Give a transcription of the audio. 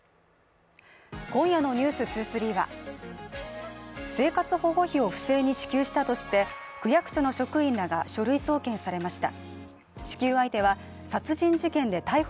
今夜の「ｎｅｗｓ２３」は生活保護費を不正に支給したとして区役所の職員らが書類送検されました。